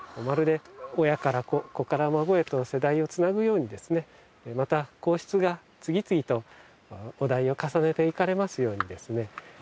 まるで親から子子から孫へと世代をつなぐようにですねまた皇室が次々とお代を重ねていかれますようにですね